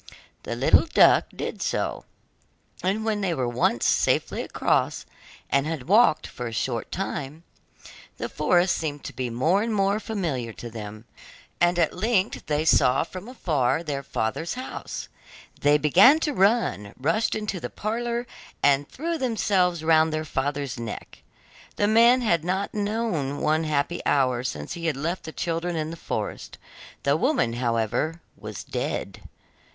The good little duck did so, and when they were once safely across and had walked for a short time, the forest seemed to be more and more familiar to them, and at length they saw from afar their father's house. Then they began to run, rushed into the parlour, and threw themselves round their father's neck. The man had not known one happy hour since he had left the children in the forest; the woman, however, was dead.